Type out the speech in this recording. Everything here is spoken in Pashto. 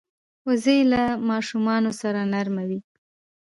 وزې له ماشومانو سره نرمه وي